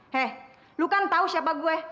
hei lu kan tahu siapa gue